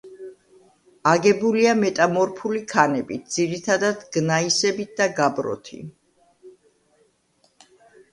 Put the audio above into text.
აგებულია მეტამორფული ქანებით, ძირითადად გნაისებითა და გაბროთი.